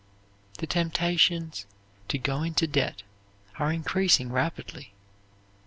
The temptations to go into debt are increasing rapidly.